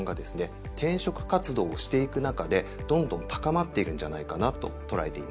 転職活動をしていく中でどんどん高まっているんじゃないかなと捉えています。